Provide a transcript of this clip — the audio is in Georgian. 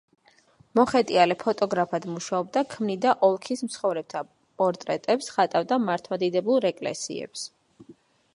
მოგვიანებით ჩესნოკოვი მოხეტიალე ფოტოგრაფად მუშაობდა, ქმნიდა ოლქის მცხოვრებთა პორტრეტებს, ხატავდა მართლმადიდებლურ ეკლესიებს.